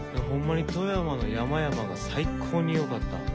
ホンマに富山の山々が最高によかった。